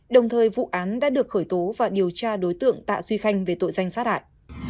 đồng thời vụ án đã được khởi tố và điều tra đối tượng tạ duy khanh về tội danh sát hại